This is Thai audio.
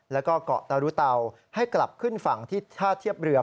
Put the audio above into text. แล้วก็เกาะตารุเตาให้กลับขึ้นฝั่งที่ท่าเทียบเรือ